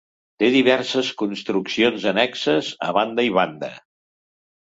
Té diverses construccions annexes a banda i banda.